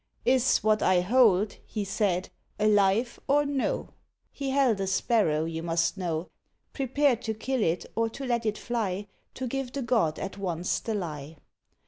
"Is what I hold," he said, "alive or no?" He held a sparrow, you must know, Prepared to kill it or to let it fly; To give the god at once the lie.